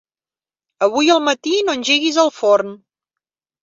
Avui al matí no engeguis el forn.